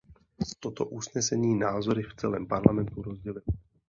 Toto usnesení názory v celém Parlamentu rozdělilo.